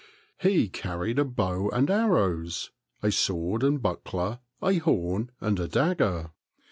He carried a bow and arrows, a sword and buckler, a horn, and a dagger.